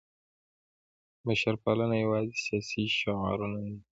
بشرپالنه یوازې سیاسي شعارونه نه دي.